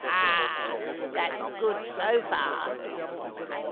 ha! that's good so far!